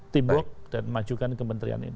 teamwork dan majukan kementerian ini